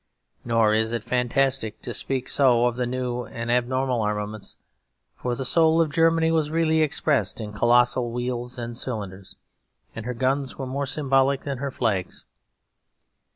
Nor is it fantastic to speak so of the new and abnormal armaments; for the soul of Germany was really expressed in colossal wheels and cylinders; and her guns were more symbolic than her flags.